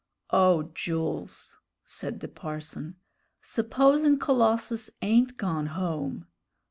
"O Jools!" said the parson, "supposin' Colossus ain't gone home!